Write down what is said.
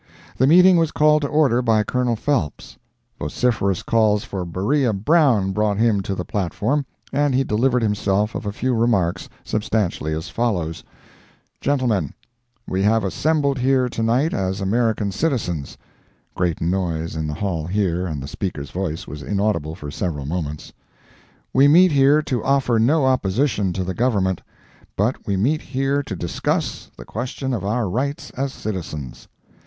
The meeting was called to order by Col. Phelps. Vociferous calls for Beriah Brown brought him to the platform, and he delivered himself of a few remarks substantially as follows: Gentlemen:—We have assembled here to night as American citizens—(Great noise in the hall here, and the speaker's voice was inaudible for several moments.) We meet here to offer no opposition to the Government; but we meet here to discuss, the question of our rights as citizens.